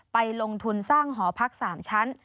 ไปลงทุนสร้างหอพัก๓ชั้น